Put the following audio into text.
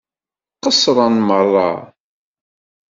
Qeṣṣṛen meṛṛa.